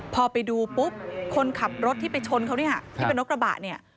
พอไปดูปุ๊บคนขับรถที่ไปชนเขาเนี่ยที่เป็นรถกระบะเนี่ย